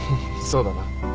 そうだな。